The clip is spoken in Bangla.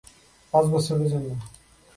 পাঁচ বছরের জন্য।